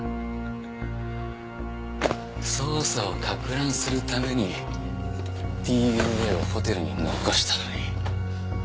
捜査を攪乱するためにＤＮＡをホテルに残したのに。